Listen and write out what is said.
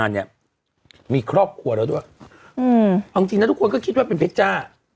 เนี่ยมีครอบครัวเราด้วยเอ่อจริงจริงทุกคนก็คิดว่าเป็นพระจ้า